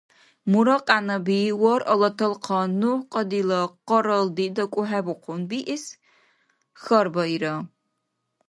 — Муракьянаби, варъала талхъан НухӀкьадила къаралди дакӀухӀебухъун биэс? — хьарбаира.